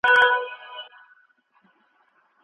کوم حديث د دې نظر لپاره دلیل دی؟